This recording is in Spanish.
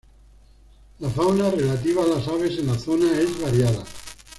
La fauna relativa a las aves en la zona es variada.